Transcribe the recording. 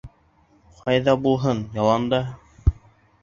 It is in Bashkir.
Ҡайҙа булһын, яланда.